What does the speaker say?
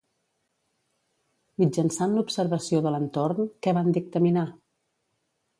Mitjançant l'observació de l'entorn, què van dictaminar?